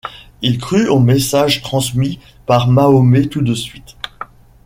Il crut au message transmis par Mahomet tout de suite.